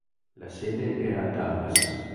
La sede era a Dallas.